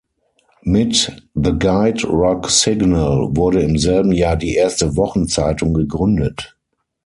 Mit "The Guide Rock Signal" wurde im selben Jahr die erste Wochenzeitung gegründet.